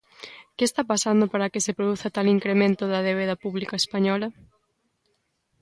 Que está pasando para que se produza tal incremento da débeda pública española?